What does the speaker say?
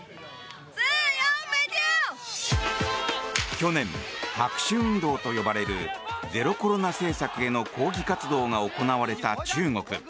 去年、白紙運動と呼ばれるゼロコロナ政策への抗議活動が行われた中国。